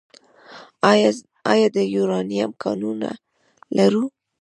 آیا د یورانیم کانونه لرو؟